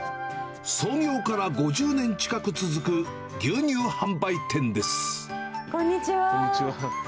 創業から５０年近く続く牛乳こんにちは。